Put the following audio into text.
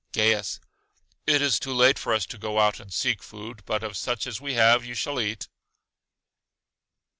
Gaius: It is too late for us to go out and seek food; but of such as we have you shall eat.